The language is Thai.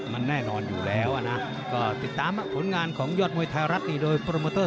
มันแน่นอนอยู่แล้วนะก็ติดตามผลงานของยอดมวยไทยรัฐนี่โดยโปรโมเตอร์